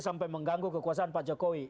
sampai mengganggu kekuasaan pak jokowi